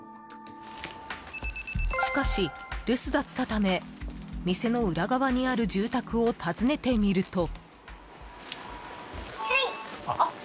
しかし、留守だったため店の裏側にある住宅を訪ねてみると。